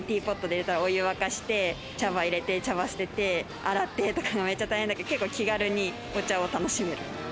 お湯沸かして茶葉入れて、茶葉捨てて洗ってとかめっちゃ大変だけど、結構気軽にお茶を楽しめる。